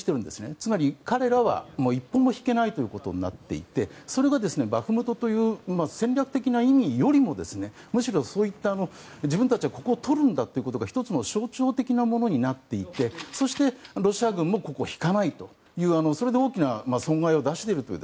つまり、彼らは一歩も引けないことになっていてそれは、バフムトという戦略的な意味よりもむしろそういった自分たちはここをとるんだという１つの象徴的なものになっていてそして、ロシア軍もここは引かないというそれで大きな損害を出しているという。